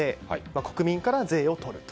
国民から税をとると。